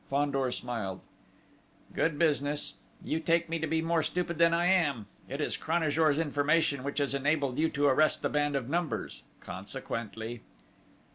Fandor smiled. "Good business! You take me to be more stupid than I am. It is Cranajour's information which has enabled you to arrest the band of Numbers. Consequently!..."